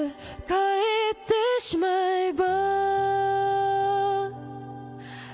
「変えてしまえば」